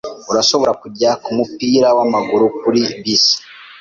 Urashobora kujya kumupira wamaguru kuri bisi.